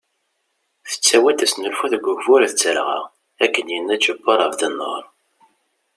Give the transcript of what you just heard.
Tettawi-d asnulfu deg ugbur d talɣa ,akken yenna Ǧebur Ɛebdnur.